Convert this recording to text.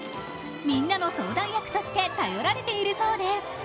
みんなの相談役として頼られているそうです。